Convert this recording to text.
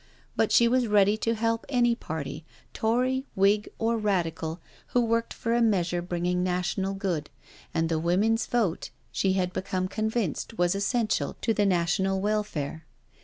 But she was ready to help any party, Tory, Whig, or Radical, who worked for a measure bringing national good, and the Women's Vote she had become convinced was essential to the national welfare.